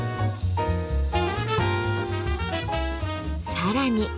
さらに。